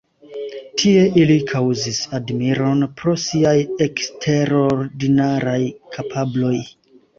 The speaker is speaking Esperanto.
Tie, ili kaŭzis admiron pro siaj eksterordinaraj kapabloj.